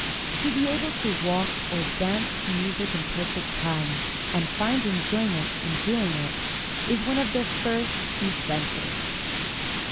To be able to walk or dance to music in perfect time, and find enjoyment in doing it, is one of the first essentials.